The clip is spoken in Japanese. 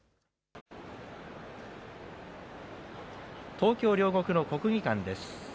東京・両国の国技館です。